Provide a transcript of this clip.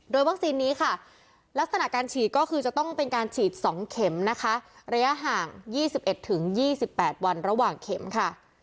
วัคซีนนี้ค่ะลักษณะการฉีดก็คือจะต้องเป็นการฉีด๒เข็มนะคะระยะห่าง๒๑๒๘วันระหว่างเข็มค่ะ